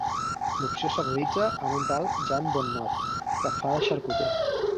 L'opció s'aguditza amb un tal "Jean Bonnot" que fa de xarcuter.